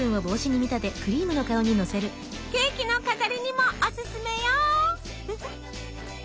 ケーキの飾りにもおすすめよ。